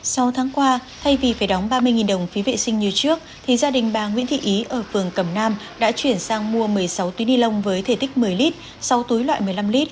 sau tháng qua thay vì phải đóng ba mươi đồng phí vệ sinh như trước thì gia đình bà nguyễn thị ý ở phường cẩm nam đã chuyển sang mua một mươi sáu túi ni lông với thể tích một mươi lít sáu túi loại một mươi năm lít